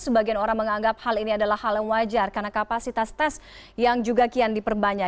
sebagian orang menganggap hal ini adalah hal yang wajar karena kapasitas tes yang juga kian diperbanyak